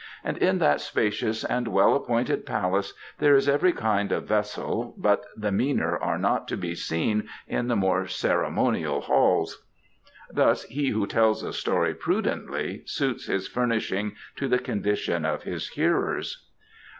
and in that spacious and well appointed palace there is every kind of vessel, but the meaner are not to be seen in the more ceremonial halls. Thus he who tells a story prudently suits his furnishing to the condition of his hearers."